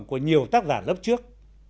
của nhiều tác giả lớp trước